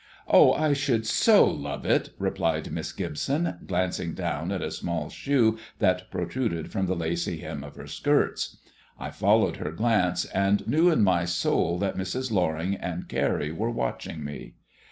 "Oh, I should so love it!" replied Miss Gibson, glancing down at a small shoe that protruded from the lacy hem of her skirts. I followed her glance, and knew in my soul that Mrs. Loring and Carrie were watching me.